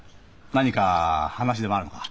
何か話でもあるのか？